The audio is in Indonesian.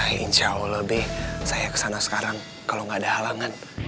insya allah be saya kesana sekarang kalo gak ada halangan